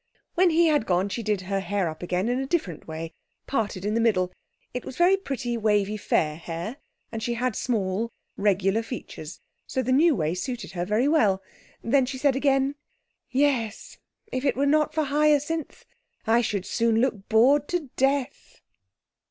When he had gone she did her hair up again in a different way parted in the middle. It was very pretty, wavy, fair hair, and she had small, regular features, so the new way suited her very well. Then she said again 'Yes, if it were not for Hyacinth I should soon look bored to death!'